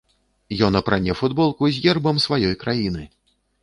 Ён апране футболку з гербам сваёй краіны!